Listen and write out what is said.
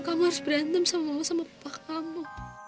kamu harus berantem sama mama sama papa kamu